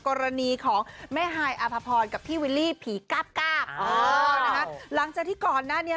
กรณีของแม่ฮายอภพรกับพี่วิลลี่ผีก้าบเออนะคะหลังจากที่ก่อนหน้านี้